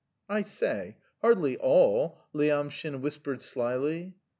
"I say, hardly all!" Lyamshin whispered slyly.